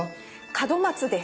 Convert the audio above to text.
門松です。